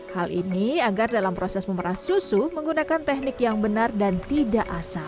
hal ini agar dalam proses memerah susu menggunakan teknik yang benar dan tidak asal